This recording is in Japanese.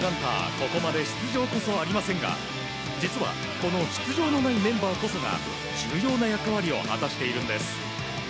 ここまで出場こそありませんが実は、この出場のないメンバーこそが重要な役割を果たしているんです。